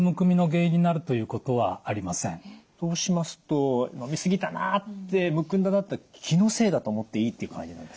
そうしますと飲み過ぎたなってむくんだなって気のせいだと思っていいっていう感じなんですかね？